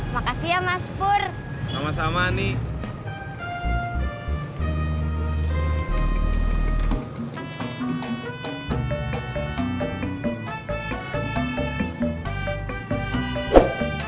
makasih ya mas pur sama sama nih